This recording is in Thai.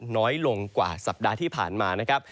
น้อยลงกว่าสัปดาห์ที่ผ่านมานะครับ